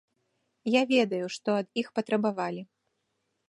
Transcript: Я ведаю, што ад іх патрабавалі.